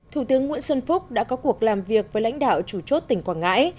thủ tướng nguyễn xuân phúc đã có cuộc làm việc với lãnh đạo chủ chốt tỉnh quảng ngãi